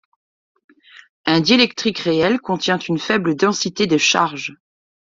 Un diélectrique réel contient une faible densité de charges.